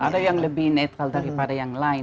ada yang lebih netral daripada yang lain